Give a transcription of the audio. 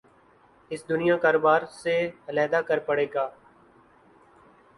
اس دنیا کاروبار سے علیحدہ کر پڑ گا